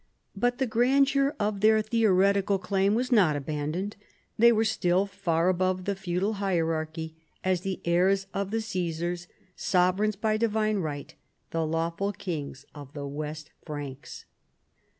But the grandeur of their theoretical claim was not abandoned. They were still far above the feudal hierarchy, as the heirs of the Caesars, sovereigns by divine right, the lawful kings of the West Franks.